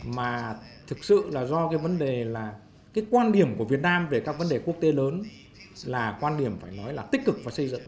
mà thực sự là do cái vấn đề là cái quan điểm của việt nam về các vấn đề quốc tế lớn là quan điểm phải nói là tích cực và xây dựng